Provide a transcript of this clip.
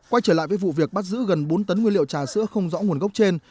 quay trở lại với vụ việc bắt giữ gần bốn tấn nguyên liệu trà sữa không rõ nguồn gốc trên